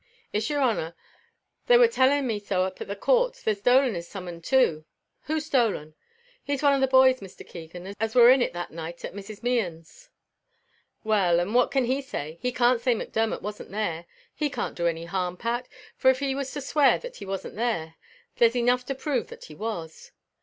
"Iss, yer honour; they war telling me so up at the court; there's Dolan is summoned too." "Who's Dolan?" "He's one of the boys, Mr. Keegan, as war in it that night at Mrs. Mehan's." "Well, and what can he say? he can't say Macdermot wasn't there. He can't do any harm, Pat; for if he was to swear that he wasn't there, there's enough to prove that he was."